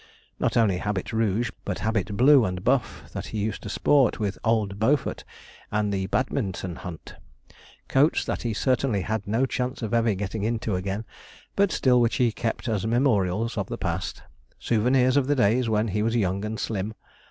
Not only habit rouge, but habit blue and buff, that he used to sport with 'Old Beaufort' and the Badminton Hunt coats that he certainly had no chance of ever getting into again, but still which he kept as memorials of the past souvenirs of the days when he was young and slim.